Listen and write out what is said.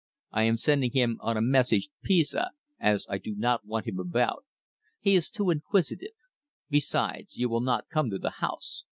I am sending him on a message to Pisa, as I do not want him about; he is too inquisitive. Besides, you will not come to the house.